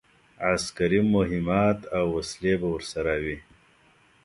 عسکري مهمات او وسلې به ورسره وي.